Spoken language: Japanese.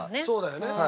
そうだよね。